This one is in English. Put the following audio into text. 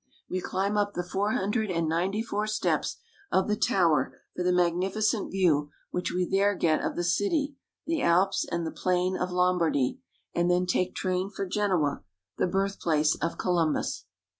We climb up the four hundred and ninety four steps of the tower for the magnificent view which we there get of the city, the Alps, and the plain of Lombardy, and then take train for Genoa, the birthplace of Columbus.